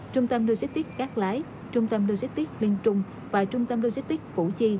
trung tâm logistics cát lái trung tâm logistics liên trung và trung tâm logistics củ chi